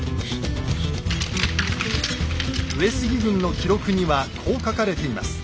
上杉軍の記録にはこう書かれています。